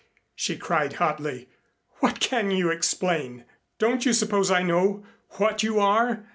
she cried hotly. "What can you explain? Don't you suppose I know what you are?